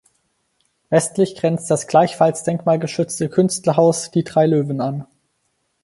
Westlich grenzt das gleichfalls denkmalgeschützte Künstlerhaus Die drei Löwen an.